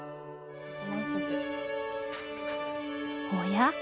おや？